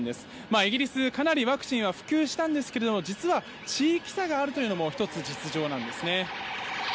イギリス、かなりワクチンは普及したんですけど実は地域差があるというのも１つ、実情なんですね。